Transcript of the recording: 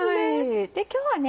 今日はね